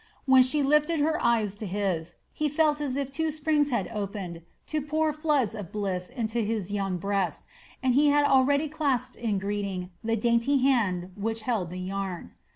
When she lifted her eyes to his, he felt as though two springs had opened to pour floods of bliss into his young breast, and he had already clasped in greeting the dainty hand which held the yarn.